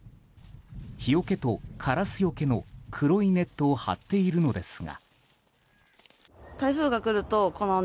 日よけとカラスよけの黒いネットを張っているのですが。